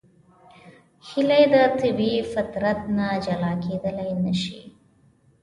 هیلۍ له طبیعي فطرت نه جلا کېدلی نشي